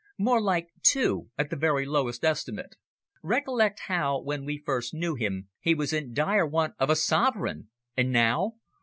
"More like two, at the very lowest estimate. Recollect how, when we first knew him, he was in dire want of a sovereign and now?